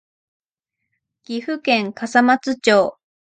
岐阜県笠松町